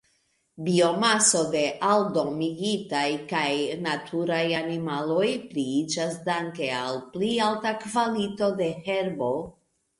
Biomaso de aldomigitaj kaj naturaj animaloj pliiĝas danke al pli alta kvalito de herbo.